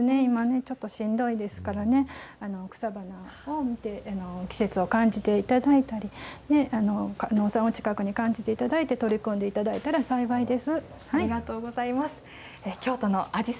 今、ちょっと、しんどいですからね、草花を見て、季節を感じていただいたり、を近くに感じていただいて、取り組んでいただいたら幸いです。